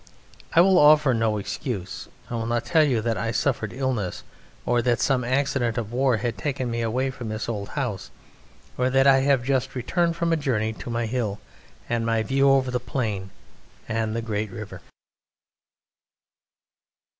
I will offer no excuse: I will not tell you that I suffered illness, or that some accident of war had taken me away from this old house, or that I have but just returned from a journey to my hill and my view over the Plain and the great River.